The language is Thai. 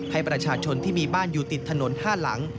ให้ประชาชนที่มีบ้านอยู่ติดถนน๕หลัง